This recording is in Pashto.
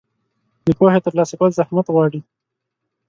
د پوهې ترلاسه کول زحمت غواړي.